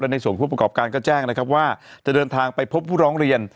ในส่วนผู้ประกอบการก็แจ้งนะครับว่าจะเดินทางไปพบผู้ร้องเรียน